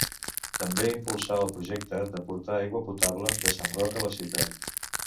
També impulsar el projecte de portar aigua potable de Sant Roc a la ciutat.